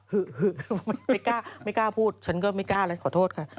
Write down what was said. คือไม่กล้าพูดฉันก็ไม่กล้าอะไรขอโทษค่ะ